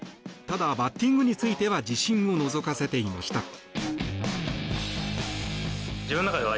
ただ、バッティングについては自信をのぞかせていました。